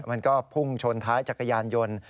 มันก็พุ่งชนท้ายจักรยานยนต์